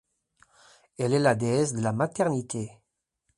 Elle est la déesse de la maternité.